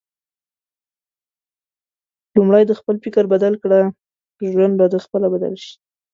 لومړی د خپل فکر بدل کړه ، ژوند به د خپله بدل شي